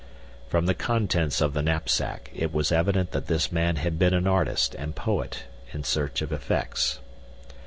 "From the contents of the knapsack it was evident that this man had been an artist and poet in search of effects.